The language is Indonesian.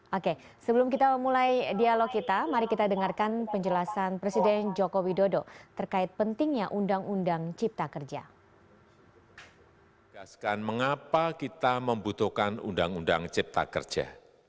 oke sebelum kita memulai dialog kita mari kita dengarkan penjelasan presiden joko widodo terkait pentingnya undang undang cipta kerja